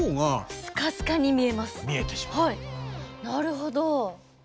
なるほど。